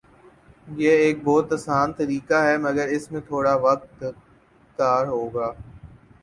یہ ایک بہت آسان طریقہ ہے مگر اس میں تھوڑا وقت کار ہوگا